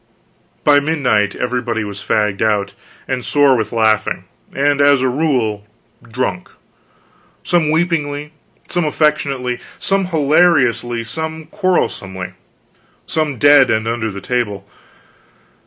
By midnight everybody was fagged out, and sore with laughing; and, as a rule, drunk: some weepingly, some affectionately, some hilariously, some quarrelsomely, some dead and under the table.